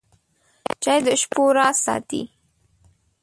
چای د شپو راز ساتي.